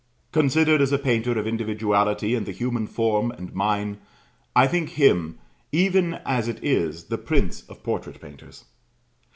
Considered as a painter of individuality in the human form and mind, I think him, even as it is, the prince of portrait painters.